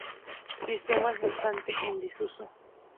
Sistemas bastante en desuso.